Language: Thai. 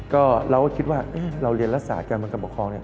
ก็เราก็คิดว่าเราเรียนรัฐศาสตร์การเมืองการปกครองเนี่ย